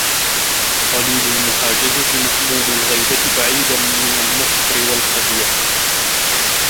قَلِيلَ الْمُحَاجَزَةِ مَأْمُونَ الْغَيْبَةِ بَعِيدًا مِنْ الْمَكْرِ وَالْخَدِيعَةِ